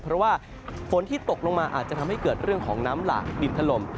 เพราะว่าฝนที่ตกลงมาอาจจะทำให้เกิดเรื่องของน้ำหลากดินถล่ม